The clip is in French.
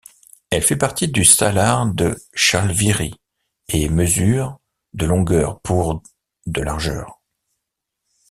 Elle fait partie du salar de Chalviri et mesure de longueur pour de largeur.